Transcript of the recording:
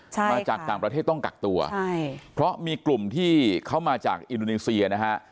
ใช่มาจากต่างประเทศต้องกักตัวใช่เพราะมีกลุ่มที่เขามาจากอินโดนีเซียนะฮะ